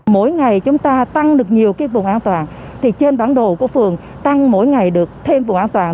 mỗi ngày chúng ta tăng được nhiều cái vùng an toàn thì trên bản đồ của phường tăng mỗi ngày được thêm vùng an toàn